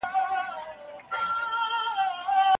هر خلیفه د خپلې پوهې په رڼا کې د امت کښتۍ ساحل ته ورسوله.